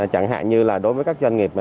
chẳng hạn như là đối với các doanh nghiệp